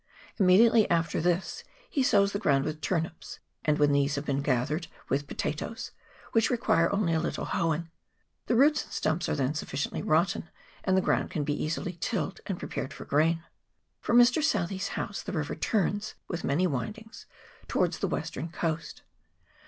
Immediately after this he sows the ground with turnips, and when these have been gathered, with potatoes, which require only a little hoeing. The roots and stumps are then sufficiently rotten, and the ground can be easily tilled and prepared for grain. From Mr. Southee's house the river turns, with many windings, towards the western coast.